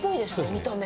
見た目。